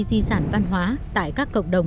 di sản văn hóa tại các cộng đồng